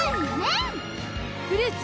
フルーツ！